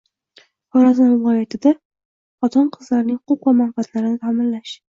Xorazm viloyatida xotin-qizlarning qonuniy huquq va manfaatlarini ta'minlash